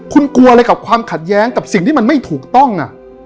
คุณกลัวอะไรกับความขัดแย้งกับสิ่งที่มันไม่ถูกต้อง